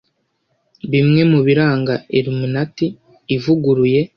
bimwe mu biranga illuminati ivuguruye